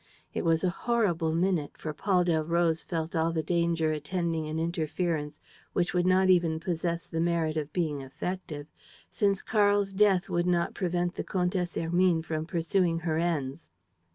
It was a horrible minute, for Paul Delroze felt all the danger attending an interference which would not even possess the merit of being effective, since Karl's death would not prevent the Comtesse Hermine from pursuing her ends.